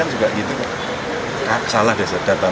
enggak di dapuan itu